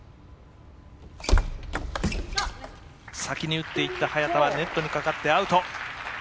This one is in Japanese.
先に打っていった早田はネットにかかってアウト。